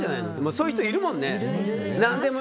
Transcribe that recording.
そういう人いるもんね。